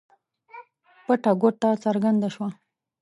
پټه ګوته څرګنده شوه.